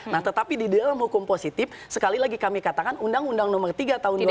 nah tetapi di dalam hukum positif sekali lagi kami katakan undang undang ini harus ditaati oleh internal organisasi